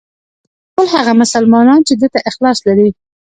ټول هغه مسلمانان چې ده ته اخلاص لري.